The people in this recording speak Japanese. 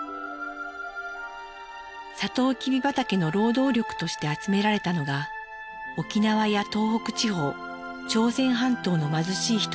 さとうきび畑の労働力として集められたのが沖縄や東北地方朝鮮半島の貧しい人々。